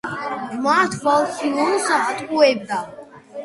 ბრმა, თვალხილულს ატყუებდა